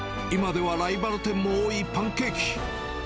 今ではライバル店も多いパンケーキ。